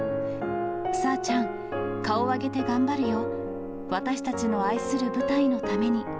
さぁちゃん、顔上げて頑張るよ、私たちの愛する舞台のために。